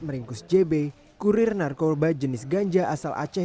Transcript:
meringkus jb kurir narkoba jenis ganja asal aceh